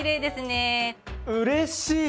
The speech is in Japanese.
うれしい！